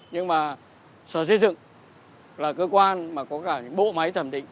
nhưng mà sở xây dựng là cơ quan mà có cả những bộ máy thẩm định